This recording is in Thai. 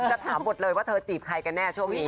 จะถามหมดเลยว่าเธอจีบใครกันแน่ช่วงนี้